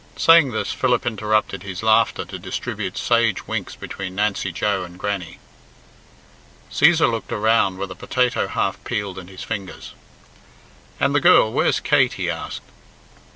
Saying this, Philip interrupted his laughter to distribute sage winks between Nancy Joe and Grannie. Cæsar looked around with a potato half peeled in his fingers. "And the girl where's Kate?" he asked.